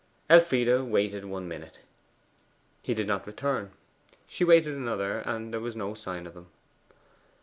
Elfride waited one minute; he did not return. She waited another, and there was no sign of him.